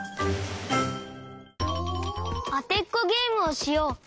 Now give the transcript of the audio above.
あてっこゲームをしよう。